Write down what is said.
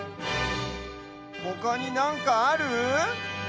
ほかになんかある？